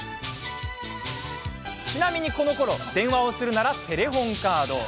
ちなみに、このころ電話をするならテレホンカード。